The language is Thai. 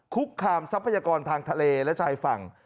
คุกคามทรัพยากรทางทะเลและชายฝั่ง